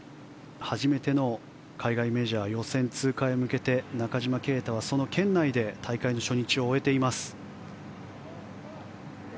初めての海外メジャー予選通過へ向けて中島啓太はその圏内で大会初日を終えています。